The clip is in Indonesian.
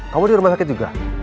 kamu di rumah sakit juga